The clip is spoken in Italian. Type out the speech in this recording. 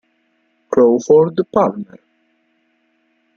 Crawford Palmer